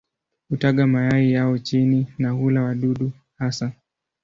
Hutaga mayai yao chini na hula wadudu hasa.